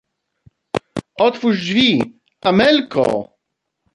"otwórz drzwi, Amelko!"